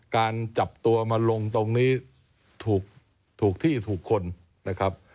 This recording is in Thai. การจับตัวมาลงตรงนี้ถูกที่ถูกคนนะครับ